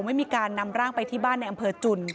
ไม่มีการนำร่างไปที่บ้านในอำเภอจุน